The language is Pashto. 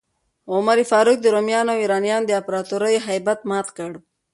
عمر فاروق د رومیانو او ایرانیانو د امپراتوریو هیبت مات کړ.